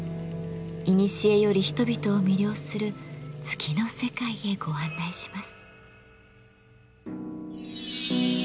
いにしえより人々を魅了する月の世界へご案内します。